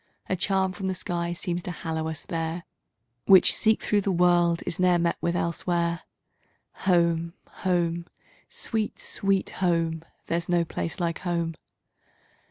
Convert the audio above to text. A charm from the skies seems to hallow it there, Which, seek through the world, is not met with elsewhere. Home, home! Sweet, Sweet Home! There's no place like Home!